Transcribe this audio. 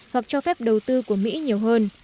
hoặc cho phép đầu tư của mỹ nhiều hơn